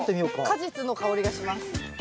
果実の香りがします。